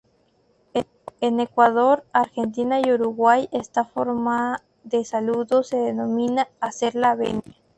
En Ecuador, Argentina y Uruguay esta forma de saludo se denomina; "hacer la venia".